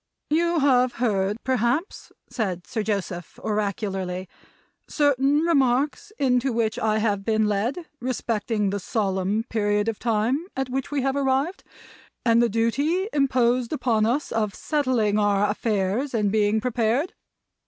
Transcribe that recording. "You have heard, perhaps," said Sir Joseph, oracularly, "certain remarks into which I have been led respecting the solemn period of time at which we have arrived, and the duty imposed upon us of settling our affairs, and being prepared.